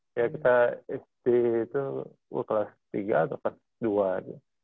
ya kita smp itu gue kelas tiga atau kelas dua aja